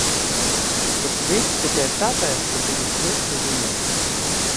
Tas viss tikai tāpēc, ka bija slikta ziema.